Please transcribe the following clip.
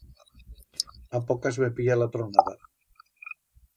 A pocas me pilla la tronada.